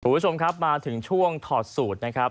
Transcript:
คุณผู้ชมครับมาถึงช่วงถอดสูตรนะครับ